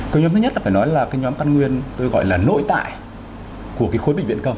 câu nhóm thứ nhất là phải nói là cái nhóm tăng nguyên tôi gọi là nội tại của cái khối bệnh viện công